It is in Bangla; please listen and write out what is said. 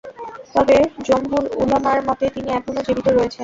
তবে জমহুর উলামার মতে, তিনি এখনও জীবিত রয়েছেন।